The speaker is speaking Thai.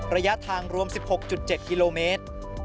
ระยะทางรวม๑๖๗กิโลเมตร